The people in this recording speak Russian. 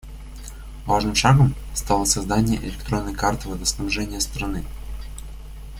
Важным шагом стало создание электронной карты водоснабжения страны.